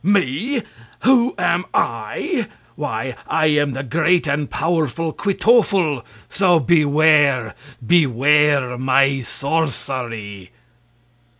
"Me! Who am I? Why, I am the great and powerful Kwytoffle! So beware! Beware my sorcery!"